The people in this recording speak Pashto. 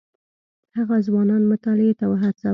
هغه ځوانان مطالعې ته وهڅول.